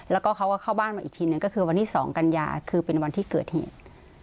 แล้วก็เขาก็เข้าบ้านมาอีกทีนึงก็คือวันที่๒กันยาคือเป็นวันที่เกิดเหตุ